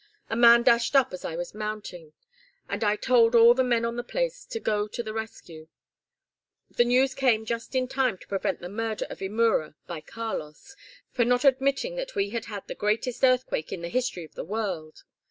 A man dashed up as I was mounting, and I told all the men on the place to go to the rescue. The news came just in time to prevent the murder of Imura by Carlos, for not admitting that we had had the greatest earthquake in the history of the world.